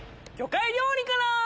魚介料理から！